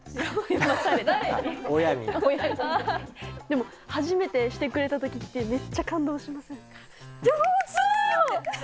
でも初めてしてくれた時ってめっちゃ感動しませんか？